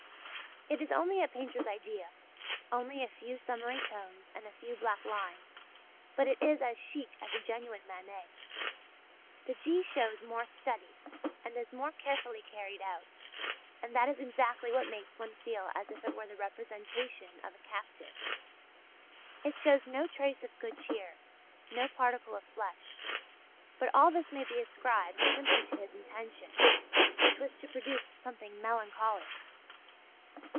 It is only a painter's idea, only a few summary tones and a few black lines; but it is as chic as a genuine Manet. The G. shows more study and is more carefully carried out, and that is exactly what makes one feel as if it were the representation of a captive. It shows no trace of good cheer, no particle of flesh; but all this may be ascribed simply to his intention, which was to produce something melancholy.